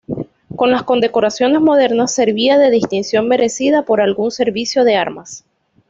Como las condecoraciones modernas servía de distinción merecida por algún servicio de armas.